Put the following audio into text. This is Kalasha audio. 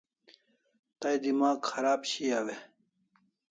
Tay demagh kharab shiaw e?